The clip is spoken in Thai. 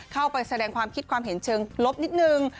เข้าไปแสดงความคิดความเห็นเชิงลบนิดนึง